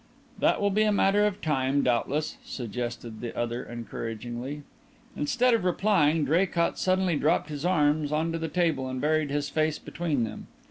"That will be a matter of time, doubtless," suggested the other encouragingly. Instead of replying Draycott suddenly dropped his arms on to the table and buried his face between them.